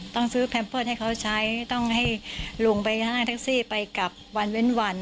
ต้องซื้อแพมเพิร์ตให้เขาใช้ต้องให้ลุงไปห้างแท็กซี่ไปกลับวันเว้นวัน